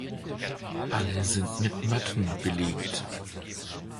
Alle sind mit Matten belegt.